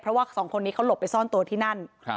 เพราะว่าสองคนนี้เขาหลบไปซ่อนตัวที่นั่น